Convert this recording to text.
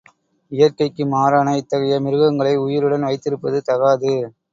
இயற்கைக்கு மாறான இத்தகைய மிருகங்களை உயிருடன் வைத்திருப்பது தகாது.